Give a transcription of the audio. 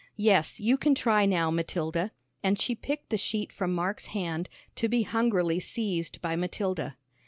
"Yes, you can try now, Matilda," and she picked the sheet from Mark's hand, to be hungrily seized by Matilda.